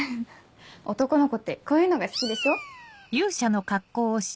男の子ってこういうのが好きでしょ？